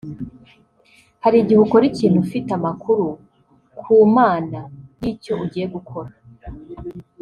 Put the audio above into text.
hari igihe ukora ikintu ufite amakuru ku Mana y'icyo ugiye gukora